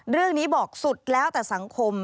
เรื่องนี้บอกสุดแล้วแต่สังคม